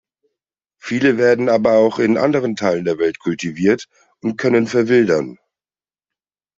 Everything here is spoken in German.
Viele werden aber auch in anderen Teilen der Welt kultiviert und können verwildern.